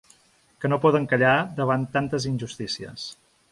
Que no poden callar davant tantes injustícies.